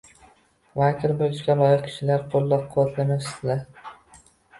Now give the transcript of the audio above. vakil bo‘lishga loyiq kishilarni qo‘llab-quvvatlashmasa